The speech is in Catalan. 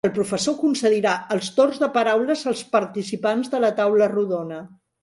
El professor concedirà els torns de paraules als participants de la taula rodona.